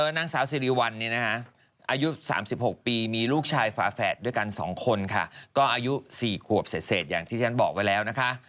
นางสาวซิริวันนี้นะคะอายุสามสิบโปรีมีลูกชายฝาแฝดด้วยกันสองคนค่ะค่ะก็อายุสี่ขวบเศษอย่างที่ชั้นบอกไว้แล้วนะคะ